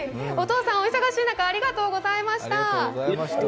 お父さんお忙しい中ありがとうございました。